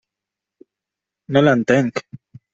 No l'entenc.